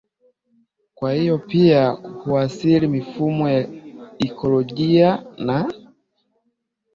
kwa hivyo pia huathiri mifumo ya ikolojia Na